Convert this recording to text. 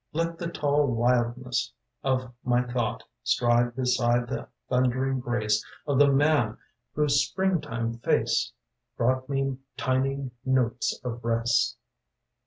Let the tall mildness of my thought Stride beside the thundering grace Of the man whose spring time face Brought me thy notes of rest.